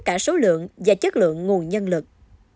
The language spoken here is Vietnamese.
cả số lượng và chất lượng nguồn nhân lực